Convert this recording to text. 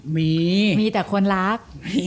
มีมีแต่คนรัก